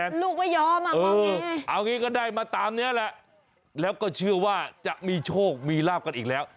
เอางี้ก็ได้มาตามแล้วก็เชื่อว่าจะมีโชคมีลาภกันอีกแล้ว